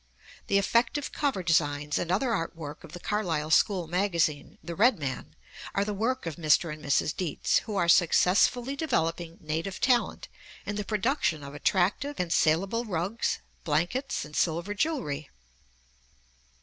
The effective cover designs and other art work of the Carlisle school magazine, The Red Man, are the work of Mr. and Mrs. Dietz, who are successfully developing native talent in the production of attractive and salable rugs, blankets, and silver jewelry.